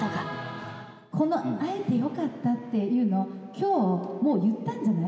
この「会えて良かった」っていうの今日もう言ったんじゃない？